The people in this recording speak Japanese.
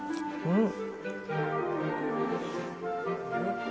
うん！